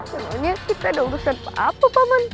sebenarnya kita udah urusan apa paman